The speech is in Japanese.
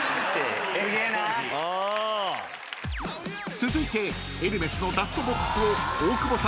［続いてエルメスのダストボックスを大久保さんは５番］